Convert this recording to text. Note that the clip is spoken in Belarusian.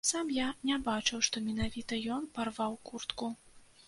Сам я не бачыў, што менавіта ён парваў куртку.